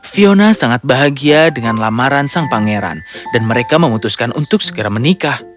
fiona sangat bahagia dengan lamaran sang pangeran dan mereka memutuskan untuk segera menikah